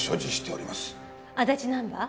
足立ナンバー？